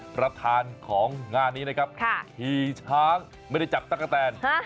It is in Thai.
ประธานของงานนี้นะครับขี่ช้างไม่ได้จับตั๊กกะแตน